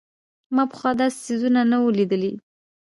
ما پخوا داسې څيزونه نه وو لېدلي.